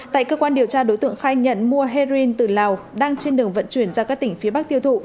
tại cơ quan điều tra đối tượng khai nhận mua heroin từ lào đang trên đường vận chuyển ra các tỉnh phía bắc tiêu thụ